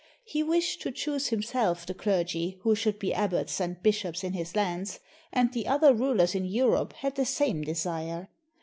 He wished to choose himself the clergy who should be abbots and bishops in his lands, and the other rulers in Europe had the same desire.